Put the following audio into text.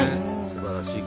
すばらしい。